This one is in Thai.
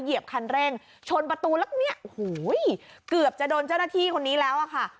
เหยียบคันเร่งชนประตูแล้วเนี่ยโอ้โหเกือบจะโดนเจ้าหน้าที่คนนี้แล้วอะค่ะ